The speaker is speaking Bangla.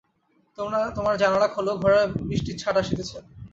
তোমার জানলা খোলা, ঘরে বৃষ্টির ছাঁট আসিতেছে।